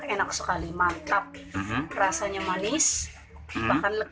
enak sekali mantap rasanya manis bahkan